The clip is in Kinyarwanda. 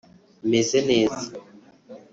meze neza